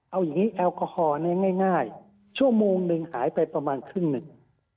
เอาอย่างนี้แอลกอฮอลง่ายชั่วโมงหนึ่งหายไปประมาณครึ่งหนึ่ง